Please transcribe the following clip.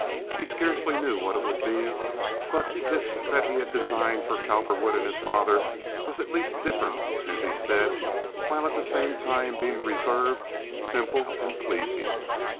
He scarcely knew what it would be; but this that he had designed for Cowperwood and his father was at least different, as he said, while at the same time being reserved, simple, and pleasing.